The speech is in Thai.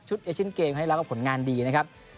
ชุดเอเชนเกมให้รักถึงผลงานดีนะครับ